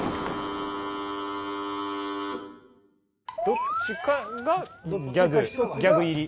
どっちかがギャグ入り？